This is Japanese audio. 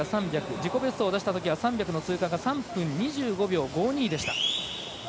自己ベストを出したときが３００の通過３分２５秒５２でした。